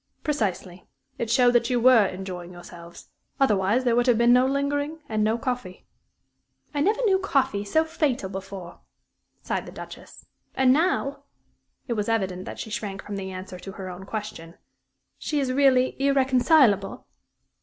"Precisely. It showed that you were enjoying yourselves. Otherwise there would have been no lingering, and no coffee." "I never knew coffee so fatal before," sighed the Duchess. "And now" it was evident that she shrank from the answer to her own question "she is really irreconcilable?"